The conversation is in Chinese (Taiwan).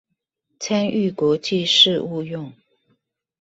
參與國際事務用